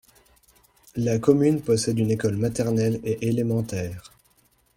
La commune possède une école maternelle et élémentaire.